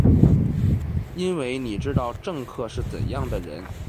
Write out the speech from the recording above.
因为你知道政客是怎样的人。